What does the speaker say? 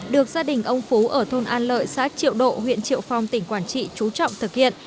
được gia đình ông phú ở thôn an lợi xã triệu độ huyện triệu phong tỉnh quảng trị trú trọng thực hiện